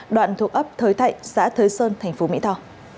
đoạn thuộc ấp thới thạnh xã thới sơn tp mỹ tho